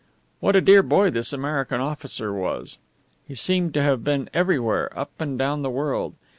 What a dear boy this American officer was! He seemed to have been everywhere, up and down the world.